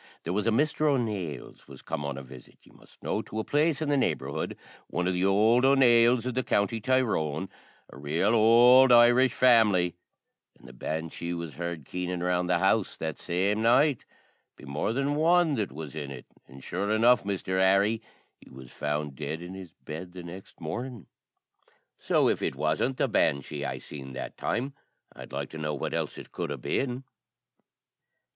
There was a Misther O'Nales was come on a visit, ye must know, to a place in the neighbourhood one o' the ould O'Nales iv the county Tyrone, a rale ould Irish family an' the banshee was heard keening round the house that same night, be more then one that was in it; an' sure enough, Misther Harry, he was found dead in his bed the next mornin'. So if it wasn't the banshee I seen that time, I'd like to know what else it could a' been."